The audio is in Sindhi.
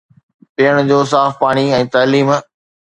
پيئڻ جو صاف پاڻي ۽ تعليم